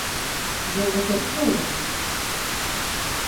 Golva kai cuoļam!